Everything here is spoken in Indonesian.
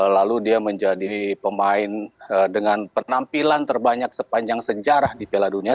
lalu dia menjadi pemain dengan penampilan terbanyak sepanjang sejarah di piala dunia